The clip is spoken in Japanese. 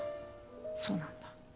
そうなんだ。